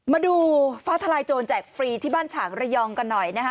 มาดูฟ้าทลายโจรแจกฟรีที่บ้านฉางระยองกันหน่อยนะฮะ